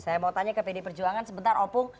saya mau tanya ke pd perjuangan sebentar opung